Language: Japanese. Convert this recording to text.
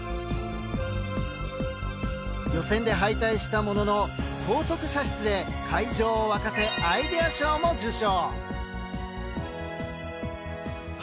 予選で敗退したものの高速射出で会場を沸かせアイデア賞も受賞。